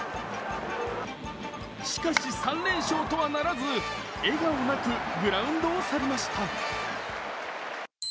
しかし、３連勝とはならず笑顔なくグラウンドを去りました。